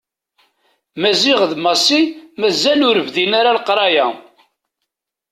Maziɣ d Massi mazal ur bdin ara leqraya.